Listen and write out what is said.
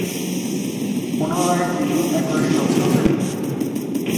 পুনরায় তিনি একই স্বপ্ন দেখলেন।